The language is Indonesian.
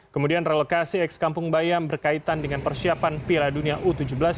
kemudian relokasi ex kampung bayam berkaitan dengan persiapan pila dunia u tujuh belas dua ribu dua puluh tiga